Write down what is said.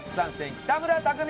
北村匠海